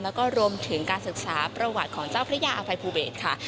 แล้วก็รวมถึงการศึกษาประวัติของเจ้าพระยาอภัยภูเบศค่ะ